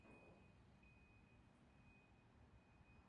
Siendo absorbido rápidamente por la expansión del Reino de Navarra.